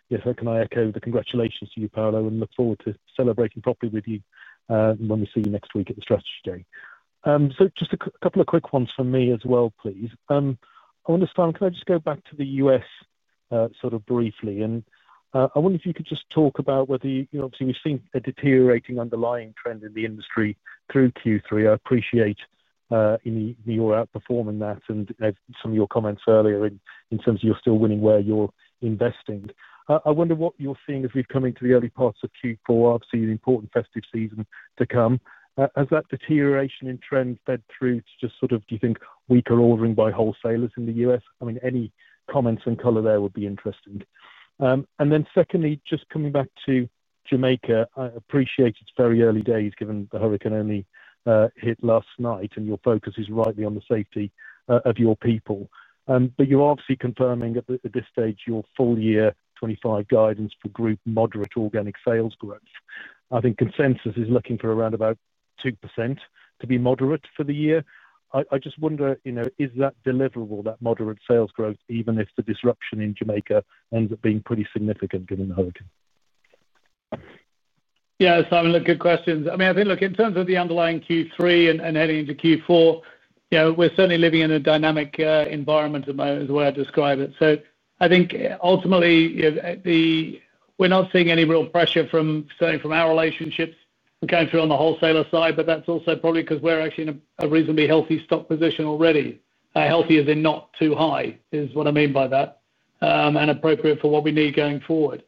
Yes, I can echo the congratulations to you, Paolo, and look forward to celebrating properly with you when we see you next week at the strategy day. Just a couple of quick ones from me as well, please. I wonder, Simon, can I just go back to the U.S. briefly? I wonder if you could just talk about whether, you know, obviously we've seen a deteriorating underlying trend in the industry through Q3. I appreciate you're outperforming that and some of your comments earlier in terms of you're still winning where you're investing. I wonder what you're seeing as we've come into the early parts of Q4, obviously an important festive season to come. Has that deterioration in trend fed through to, do you think, weaker ordering by wholesalers in the U.S.? Any comments and color there would be interesting. Secondly, just coming back to Jamaica, I appreciate it's very early days given the hurricane only hit last night, and your focus is rightly on the safety of your people. You're obviously confirming at this stage your full year 2025 guidance for group moderate organic sales growth. I think consensus is looking for around 2% to be moderate for the year. I just wonder, is that deliverable, that moderate sales growth, even if the disruption in Jamaica ends up being pretty significant given the hurricane? Yeah, Simon, good questions. I think, in terms of the underlying Q3 and heading into Q4, we're certainly living in a dynamic environment at the moment, is the way I describe it. I think ultimately, we're not seeing any real pressure from our relationships going through on the wholesaler side, but that's also probably because we're actually in a reasonably healthy stock position already. Healthier than not too high is what I mean by that, and appropriate for what we need going forward.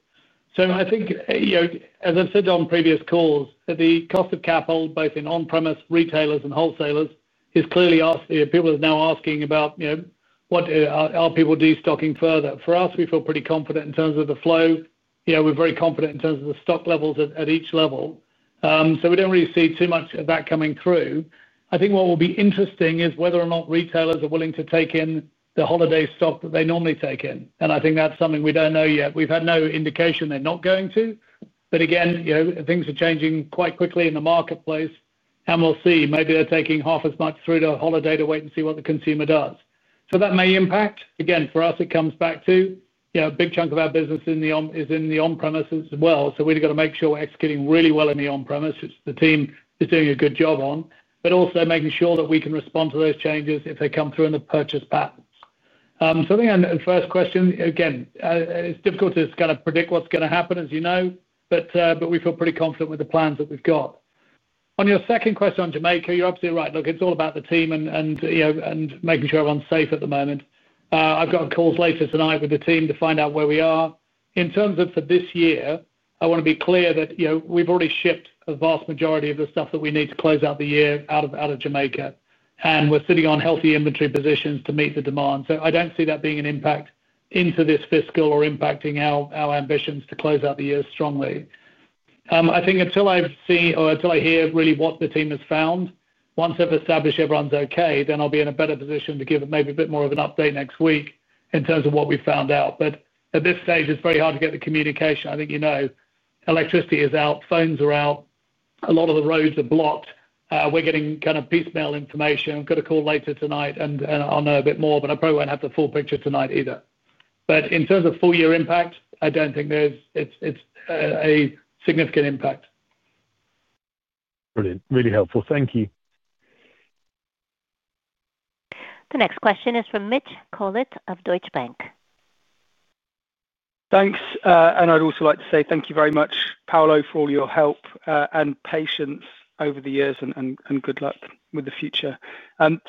As I've said on previous calls, the cost of capital both in on-premise retailers and wholesalers is clearly asking people are now asking about, what are people destocking further? For us, we feel pretty confident in terms of the flow. We're very confident in terms of the stock levels at each level. We don't really see too much of that coming through. What will be interesting is whether or not retailers are willing to take in the holiday stock that they normally take in. I think that's something we don't know yet. We've had no indication they're not going to. Again, things are changing quite quickly in the marketplace, and we'll see. Maybe they're taking half as much through the holiday to wait and see what the consumer does. That may impact. For us, it comes back to a big chunk of our business is in the on-premise as well. We've got to make sure we're executing really well in the on-premise, which the team is doing a good job on, but also making sure that we can respond to those changes if they come through in the purchase patterns. The first question, again, it's difficult to kind of predict what's going to happen, as you know, but we feel pretty confident with the plans that we've got. On your second question on Jamaica, you're absolutely right. It's all about the team and making sure everyone's safe at the moment. I've got calls later tonight with the team to find out where we are. In terms of for this year, I want to be clear that we've already shipped a vast majority of the stuff that we need to close out the year out of Jamaica, and we're sitting on healthy inventory positions to meet the demand. I don't see that being an impact into this fiscal or impacting our ambitions to close out the year strongly. I think until I see or until I hear really what the team has found, once I've established everyone's okay, then I'll be in a better position to give maybe a bit more of an update next week in terms of what we've found out. At this stage, it's very hard to get the communication. I think you know, electricity is out, phones are out, a lot of the roads are blocked. We're getting kind of piecemeal information. I've got a call later tonight, and I'll know a bit more, but I probably won't have the full picture tonight either. In terms of full-year impact, I don't think there's a significant impact. Brilliant, really helpful. Thank you. The next question is from Mitch Kohler of Deutsche Bank. Thanks. I'd also like to say thank you very much, Paolo, for all your help and patience over the years, and good luck with the future.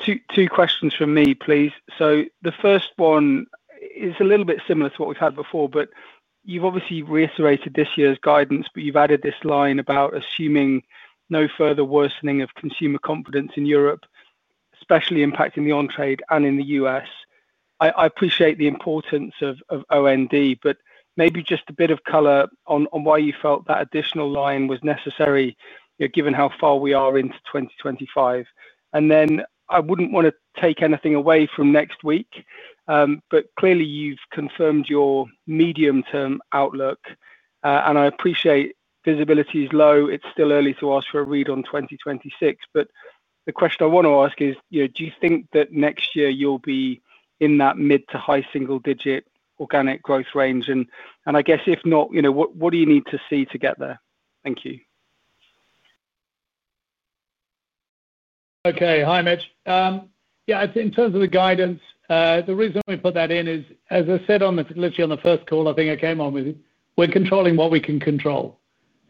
Two questions from me, please. The first one is a little bit similar to what we've had before, but you've obviously reiterated this year's guidance, but you've added this line about assuming no further worsening of consumer confidence in Europe, especially impacting the on-trade and in the U.S. I appreciate the importance of OND, but maybe just a bit of color on why you felt that additional line was necessary, given how far we are into 2025. I wouldn't want to take anything away from next week, but clearly you've confirmed your medium-term outlook, and I appreciate visibility is low. It's still early to ask for a read on 2026, but the question I want to ask is, do you think that next year you'll be in that mid to high single-digit organic growth range? If not, you know, what do you need to see to get there? Thank you. Okay. Hi, Mitch. In terms of the guidance, the reason we put that in is, as I said on the first call I came on with, we're controlling what we can control.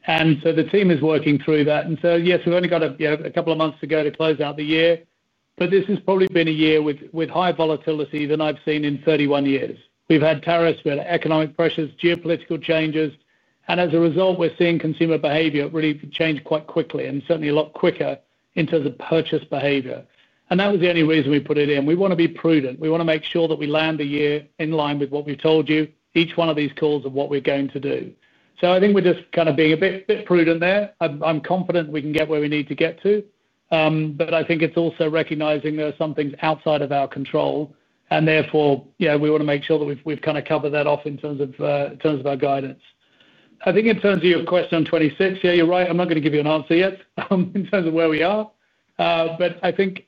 The team is working through that. Yes, we've only got a couple of months to go to close out the year, but this has probably been a year with higher volatility than I've seen in 31 years. We've had tariffs, we've had economic pressures, geopolitical changes, and as a result, we're seeing consumer behavior really change quite quickly and certainly a lot quicker in terms of purchase behavior. That was the only reason we put it in. We want to be prudent. We want to make sure that we land the year in line with what we've told you, each one of these calls of what we're going to do. I think we're just kind of being a bit prudent there. I'm confident we can get where we need to get to, but I think it's also recognizing there are some things outside of our control, and therefore, we want to make sure that we've kind of covered that off in terms of our guidance. I think in terms of your question on 2026, you're right. I'm not going to give you an answer yet in terms of where we are, but I think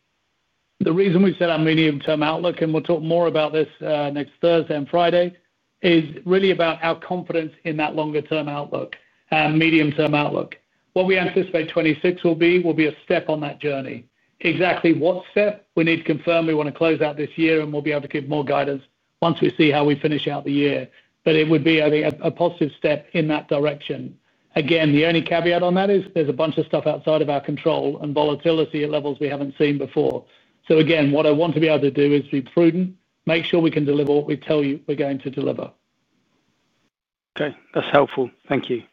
the reason we've said our medium-term outlook, and we'll talk more about this next Thursday and Friday, is really about our confidence in that longer-term outlook and medium-term outlook. What we anticipate 2026 will be is a step on that journey. Exactly what step we need to confirm; we want to close out this year, and we'll be able to give more guidance once we see how we finish out the year. It would be, I think, a positive step in that direction. The only caveat on that is there's a bunch of stuff outside of our control and volatility at levels we haven't seen before. What I want to be able to do is be prudent, make sure we can deliver what we tell you we're going to deliver. Okay, that's helpful. Thank you.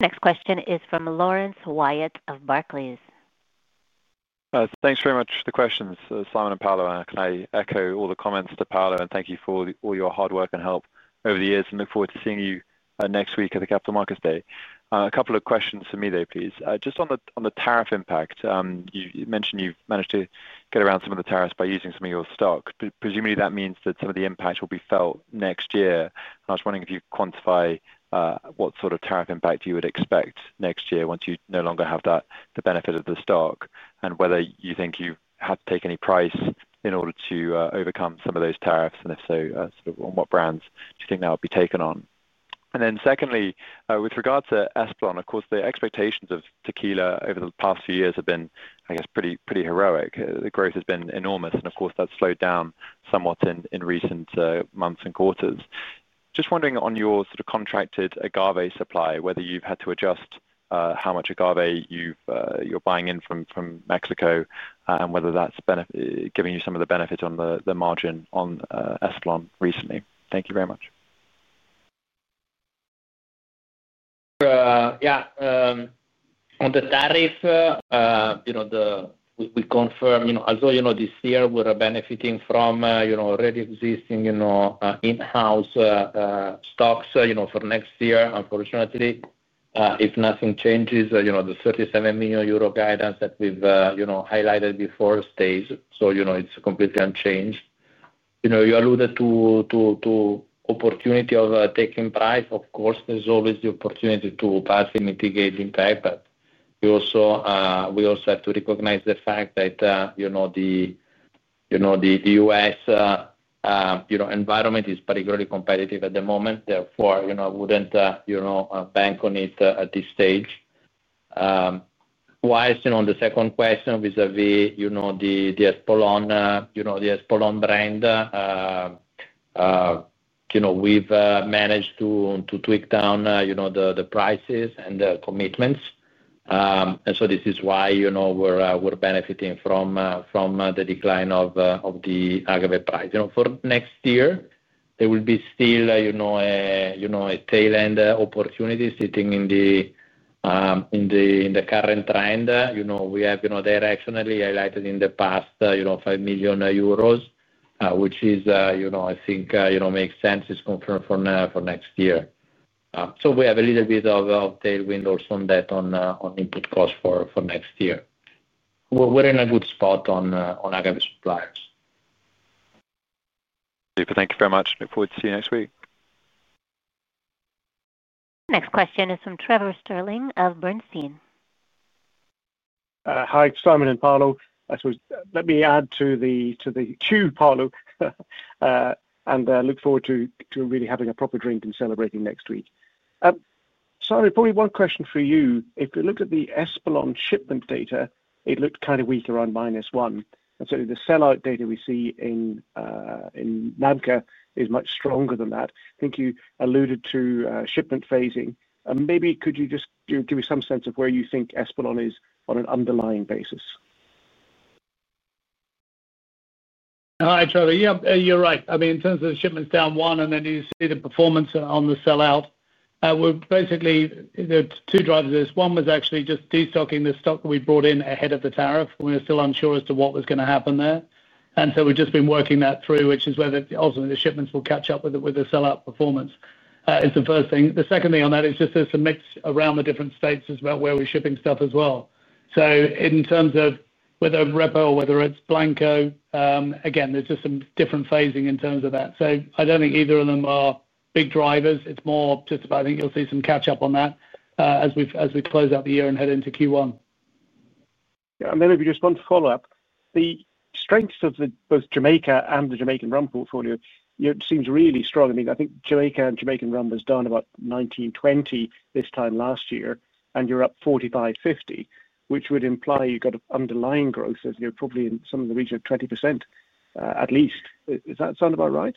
Next question is from Lawrence Wyatt of Barclays. Thanks very much for the questions, Simon and Paolo. I echo all the comments to Paolo, and thank you for all your hard work and help over the years. I look forward to seeing you next week at the Capital Markets Day. A couple of questions for me there, please. Just on the tariff impact, you mentioned you've managed to get around some of the tariffs by using some of your stock. Presumably, that means that some of the impact will be felt next year. I was wondering if you could quantify what sort of tariff impact you would expect next year once you no longer have the benefit of the stock and whether you think you have to take any price in order to overcome some of those tariffs, and if so, on what brands do you think that would be taken on? Secondly, with regard to Espolòn, of course, the expectations of tequila over the past few years have been, I guess, pretty heroic. The growth has been enormous, and of course, that's slowed down somewhat in recent months and quarters. Just wondering on your contracted agave supply, whether you've had to adjust how much agave you're buying in from Mexico and whether that's giving you some of the benefit on the margin on Espolòn recently. Thank you very much. Yeah. On the tariff, we confirm, although this year we're benefiting from already existing in-house stocks, for next year, unfortunately, if nothing changes, the 37 million euro guidance that we've highlighted before stays, so it's completely unchanged. You alluded to the opportunity of taking price. Of course, there's always the opportunity to passively mitigate the impact, but we also have to recognize the fact that the U.S. environment is particularly competitive at the moment. Therefore, I wouldn't bank on it at this stage. Whilst, on the second question vis-à-vis the Espolòn brand, we've managed to tweak down the prices and the commitments. This is why we're benefiting from the decline of the agave price. For next year, there will be still a tail end opportunity sitting in the current trend. We have directionally highlighted in the past 5 million euros, which I think makes sense. It's confirmed for next year. We have a little bit of tailwind also on that on input costs for next year. We're in a good spot on agave suppliers. Super. Thank you very much. Look forward to seeing you next week. Next question is from Trevor Stirling of Bernstein. Hi, Simon and Paolo. I suppose let me add to the queue, Paolo, and look forward to really having a proper drink and celebrating next week. Simon, probably one question for you. If we look at the Espolòn shipment data, it looked kind of weak around minus one. The sell-out data we see in NABCA is much stronger than that. I think you alluded to shipment phasing. Maybe could you just give me some sense of where you think Espolòn is on an underlying basis? Hi, Trevor. Yeah, you're right. I mean, in terms of the shipments down one and the new performance on the sell-out, there are two drivers of this. One was actually just destocking the stock that we brought in ahead of the tariff. We were still unsure as to what was going to happen there, so we've just been working that through, which is whether ultimately the shipments will catch up with the sell-out performance is the first thing. The second thing on that is just there's some mix around the different states as well where we're shipping stuff as well. In terms of whether Repo or whether it's Blanco, again, there's just some different phasing in terms of that. I don't think either of them are big drivers. It's more just about I think you'll see some catch-up on that as we close out the year and head into Q1. Yeah, if you just want to follow up, the strengths of both Jamaica and the Jamaican Rum portfolio seem really strong. I mean, I think Jamaica and Jamaican Rum has done about 19, 20 this time last year, and you're up 45, 50, which would imply you've got an underlying growth of probably in the region of 20% at least. Does that sound about right?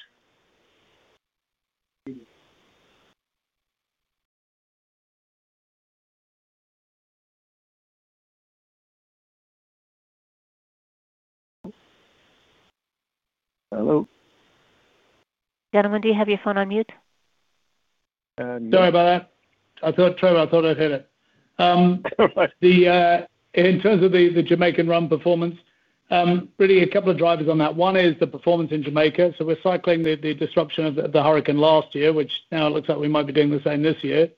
Hello. Gentleman, do you have your phone on mute? Sorry about that. I thought, Trevor, I thought I'd hit it. All right. In terms of the Jamaican rum performance, really a couple of drivers on that. One is the performance in Jamaica. We are cycling the disruption of the hurricane last year, which now it looks like we might be doing the same this year.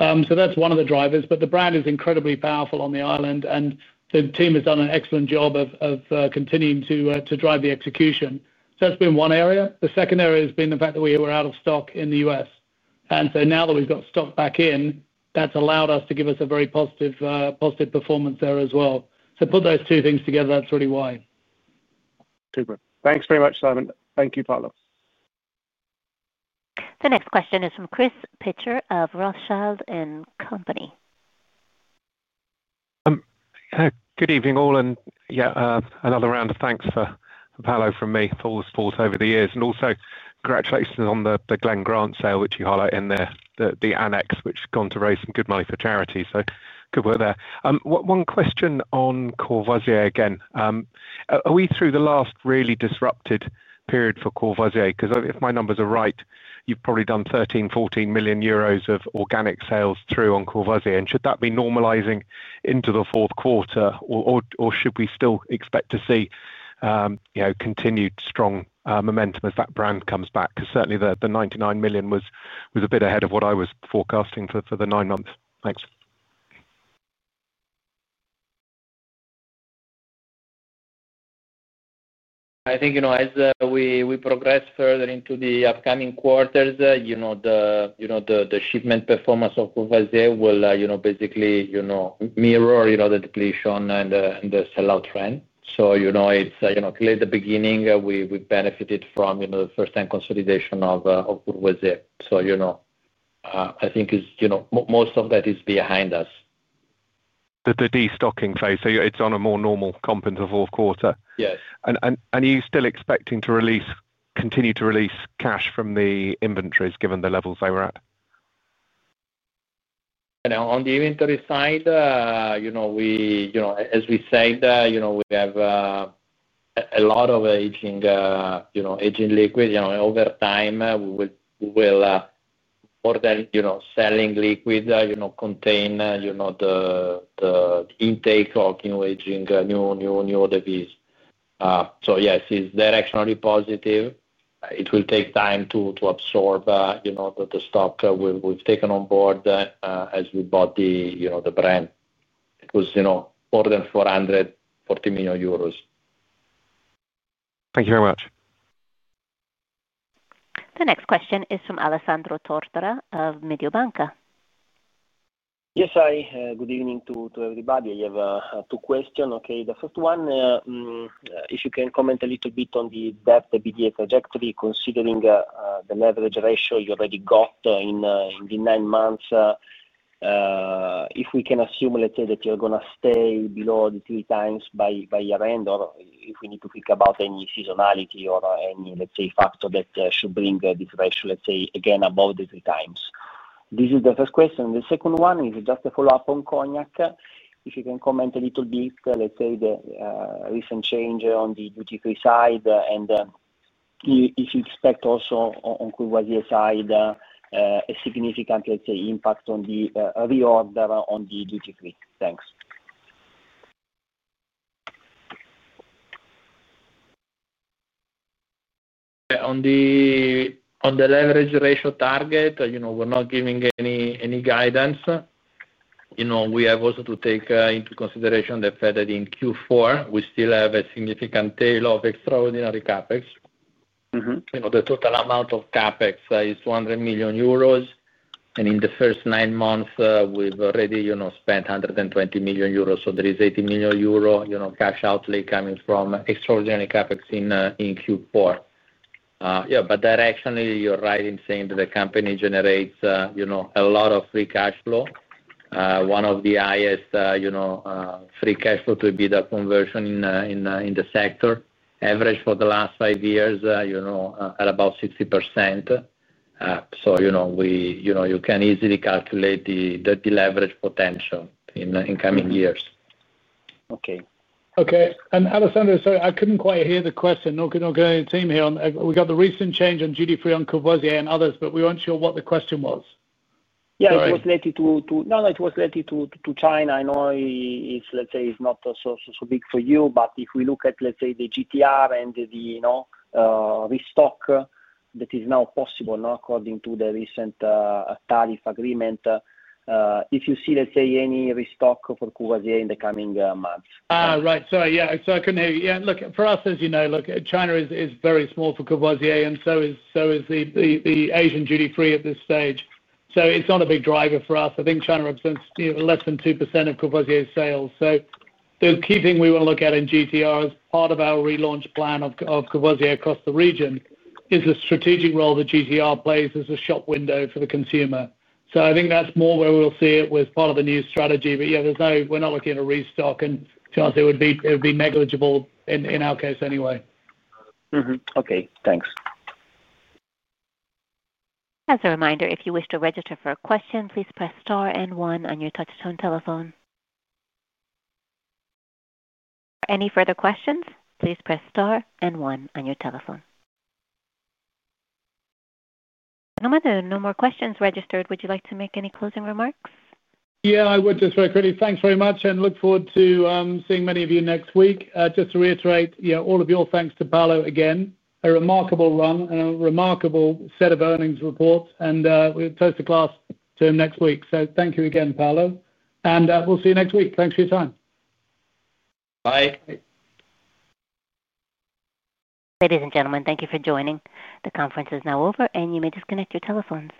That is one of the drivers. The brand is incredibly powerful on the island, and the team has done an excellent job of continuing to drive the execution. That has been one area. The second area has been the fact that we were out of stock in the U.S., and now that we've got stock back in, that's allowed us to give us a very positive performance there as well. Put those two things together, that's really why. Super. Thanks very much, Simon. Thank you, Paolo. The next question is from Chris Pitcher of Rothschild & Company. Good evening all, and yeah, another round of thanks for Paolo from me. Also, congratulations on the Glen Grant sale, which you highlight in the annex, which has gone to raise some good money for charity. Good work there. One question on Courvoisier again. Are we through the last really disrupted period for Courvoisier? Because if my numbers are right, you've probably done 13 million euros, 14 million euros of organic sales through on Courvoisier. Should that be normalizing into the fourth quarter, or should we still expect to see continued strong momentum as that brand comes back? Certainly, the 99 million was a bit ahead of what I was forecasting for the nine months. Thanks. I think as we progress further into the upcoming quarters, the shipment performance of Courvoisier will basically mirror the depletion and the sell-out trend. It's clear at the beginning we've benefited from the first-time consolidation of Courvoisier. I think most of that is behind us. The destocking phase is on a more normal compensatory fourth quarter. Yes. Are you still expecting to release, continue to release cash from the inventories given the levels they were at? On the inventory side, as we said, we have a lot of aging liquid. Over time, we will more than selling liquid, contain the intake of new aging new devis. Yes, it's directionally positive. It will take time to absorb the stock we've taken on board as we bought the brand. It was more than 440 million euros. Thank you very much. The next question is from Alessandro Tortora of Mediobanca. Yes, hi. Good evening to everybody. I have two questions. The first one, if you can comment a little bit on the depth of the trajectory, considering the leverage ratio you already got in the nine months, if we can assume, let's say, that you're going to stay below the three times by year end, or if we need to think about any seasonality or any, let's say, factor that should bring this ratio, let's say, again, above the 3x. This is the first question. The second one is just a follow-up on Cognac. If you can comment a little bit, let's say, the recent change on the duty-free side, and if you expect also on Courvoisier's side a significant, let's say, impact on the reorder on the duty-free. Thanks. On the leverage ratio target, you know, we're not giving any guidance. You know, we have also to take into consideration the fact that in Q4, we still have a significant tail of extraordinary CapEx. The total amount of CapEx is 200 million euros, and in the first nine months, we've already spent 120 million euros. So there is 80 million euro cash outlay coming from extraordinary CapEx in Q4. Yeah, but directionally, you're right in saying that the company generates a lot of free cash flow. One of the highest free cash flow to be the conversion in the sector. Average for the last five years at about 60%. You can easily calculate the leverage potential in the incoming years. Okay. Okay. Alessandro, sorry, I couldn't quite hear the question. I'm looking at the team here. We got the recent change on duty-free on Courvoisier and others, but we weren't sure what the question was. Yeah, it was related to China. I know it's, let's say, it's not so big for you, but if we look at, let's say, the GTR and the restock that is now possible, according to the recent tariff agreement, if you see, let's say, any restock for Courvoisier in the coming months. Right. Sorry. Yeah. I couldn't hear you. Yeah, look, for us, as you know, China is very small for Courvoisier, and so is the Asian duty-free at this stage. It's not a big driver for us. I think China represents less than 2% of Courvoisier's sales. The key thing we want to look at in GTR as part of our relaunch plan of Courvoisier across the region is the strategic role that GTR plays as a shop window for the consumer. I think that's more where we'll see it as part of the new strategy. There's no, we're not looking at a restock, and to be honest, it would be negligible in our case anyway. Okay. Thanks. As a reminder, if you wish to register for a question, please press star and one on your touch-tone telephone. For any further questions, please press star and one on your telephone. Nomad, there are no more questions registered. Would you like to make any closing remarks? Yeah, I would just very quickly. Thanks very much, and look forward to seeing many of you next week. Just to reiterate, you know, all of your thanks to Paolo again. A remarkable run and a remarkable set of earnings reports, and we'll toast to class to him next week. Thank you again, Paolo. We'll see you next week. Thanks for your time. Bye. Ladies and gentlemen, thank you for joining. The conference is now over, and you may disconnect your telephone.